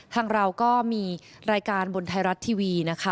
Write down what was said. ทางเราก็มีรายการบนไทยรัฐทีวีนะคะ